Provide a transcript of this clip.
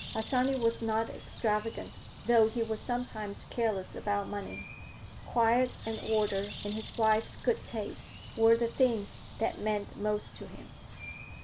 Harsanyi was not extravagant, though he was sometimes careless about money. Quiet and order and his wife's good taste were the things that meant most to him.